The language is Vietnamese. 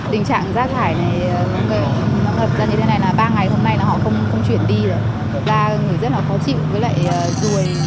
tình trạng rác thải này nó ngập ra như thế này là ba ngày hôm nay nó không chuyển đi rồi